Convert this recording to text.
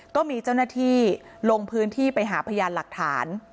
ก็มีเจ้าหน้าที่ลงพื้นที่ไปหาพยานหลักฐาน